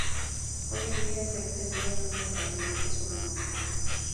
Hoy en día se ha extendido muy notablemente su renombre.